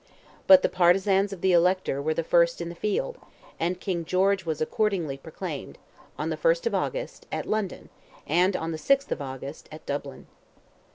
But the partisans of the elector were the first in the field, and King George was accordingly proclaimed, on the 1st of August, at London, and on the 6th of August, at Dublin.